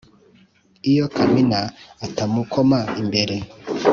Iyo Kamina atamukoma imbere